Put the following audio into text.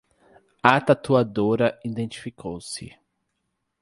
A tatuadora identificou-se